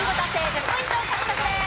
１０ポイント獲得です。